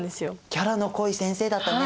キャラの濃い先生だったね。